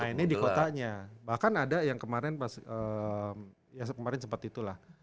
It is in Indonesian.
iya mainnya di kotanya bahkan ada yang kemarin pas ya kemarin sempat itu lah